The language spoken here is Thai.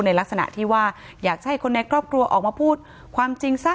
ในลักษณะที่ว่าอยากจะให้คนในครอบครัวออกมาพูดความจริงซะ